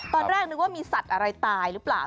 ตอนแรกนึกว่ามีสัตว์อะไรตายหรือเปล่า